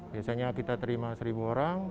biasanya kita terima seribu orang